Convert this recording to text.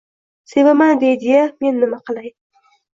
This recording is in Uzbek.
Sevaman, deydi-ya! Men nima qilay?